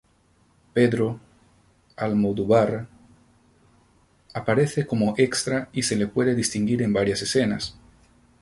Pedro Almodóvar aparece como extra y se le puede distinguir en varias escenas.